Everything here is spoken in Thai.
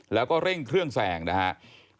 แล้วก็เร่งเครื่องแซงนะครับ